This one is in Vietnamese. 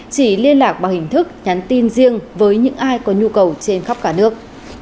chỉ liên lạc bằng hình thức nhắn tin riêng với những ai có nhu cầu trên khắp cả nước